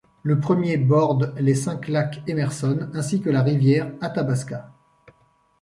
Le premier borde les cinq lacs Emerson ainsi que la rivière Athabasca.